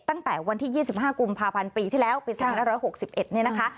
ตั้งแต่วันที่๒๕กุมภาพันธ์ปีที่แล้วปี๒๕๖๑เนี่ยนะคะ